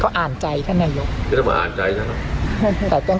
ก็อ่านใจท่านนายกไม่ต้องมาอ่านใจฉันน่ะแต่ยัง